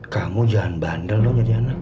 kamu jangan bandel loh jadi anak